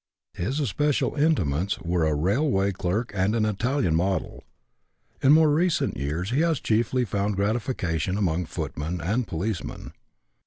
His especial intimates were a railway clerk and an Italian model. In more recent years he has chiefly found gratification among footmen and policemen.